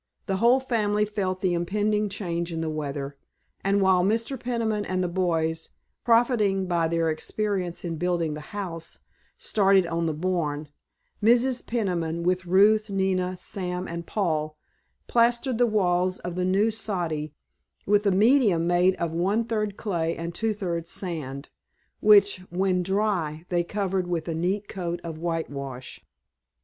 The whole family felt the impending change in the weather, and while Mr. Peniman and the boys, profiting by their experience in building the house, started on the barn, Mrs. Peniman with Ruth, Nina, Sam and Paul, plastered the walls of the new "soddy" with a medium made of one third clay and two thirds sand, which, when dry, they covered with a neat coat of whitewash.